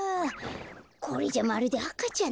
これじゃまるであかちゃんだよ。